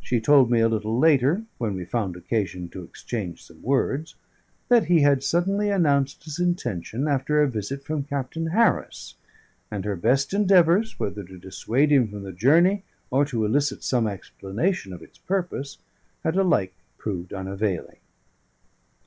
She told me a little later (when we found occasion to exchange some words) that he had suddenly announced his intention after a visit from Captain Harris, and her best endeavours, whether to dissuade him from the journey, or to elicit some explanation of its purpose, had alike proved unavailing.